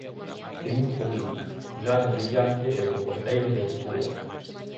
Triunfo mínimo, nada brillante e co porteiro de figura.